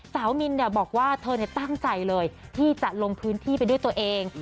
มินบอกว่าเธอตั้งใจเลยที่จะลงพื้นที่ไปด้วยตัวเอง